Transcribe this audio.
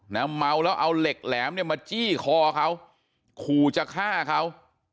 เมาแล้วเอาเหล็กแหลมเนี่ยมาจี้คอเขาขู่จะฆ่าเขา